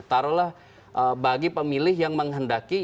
taruhlah bagi pemilih yang menghendaki